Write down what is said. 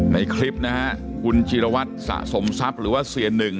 ในคลิปนะฮะคุณจีรวัตรสะสมทรัพย์หรือว่าเสียหนึ่ง